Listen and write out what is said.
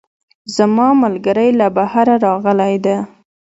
زما ملګرۍ له بهره راغلی ده